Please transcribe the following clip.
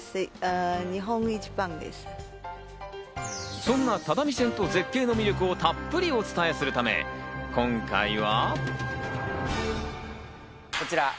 そんな只見線と絶景の魅力をたっぷりお伝えするため、今回は。